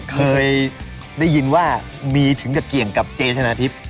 เคยได้ยินว่ามีถึงกับเกี่ยงกับเจชนะทิพย์